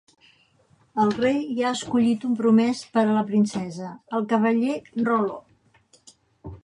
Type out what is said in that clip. El rei ja ha escollit un promès per a la princesa, el cavaller Rolo.